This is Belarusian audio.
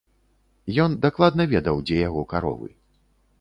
Ён дакладна ведаў, дзе яго каровы.